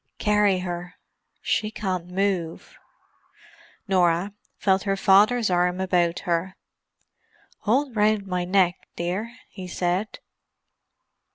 "Carry her—she can't move." Norah felt her father's arm about her. "Hold round my neck, dear," he said.